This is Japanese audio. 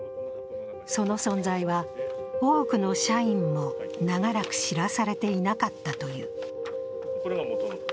その存在は多くの社員も長らく知らされていなかったという。